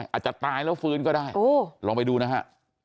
อาจจะตายแล้วฟื้นก็ได้ลองไปดูนะฮะ